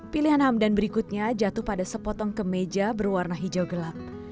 pilihan hamdan berikutnya jatuh pada sepotong kemeja berwarna hijau gelap